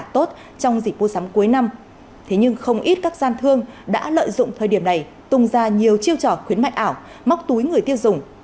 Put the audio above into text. thế nhưng không ít các gian thương đã lợi dụng thời điểm này tung ra nhiều chiêu trò khuyến mại ảo móc túi người tiêu dùng